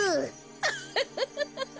フフフフフ。